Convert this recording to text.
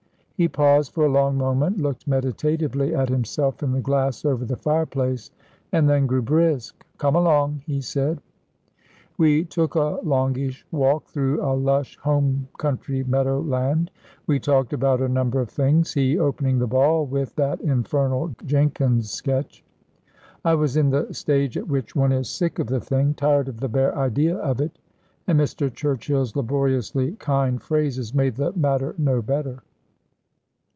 He paused for a long moment, looked meditatively at himself in the glass over the fireplace, and then grew brisk. "Come along," he said. We took a longish walk through a lush home country meadow land. We talked about a number of things, he opening the ball with that infernal Jenkins sketch. I was in the stage at which one is sick of the thing, tired of the bare idea of it and Mr. Churchill's laboriously kind phrases made the matter no better.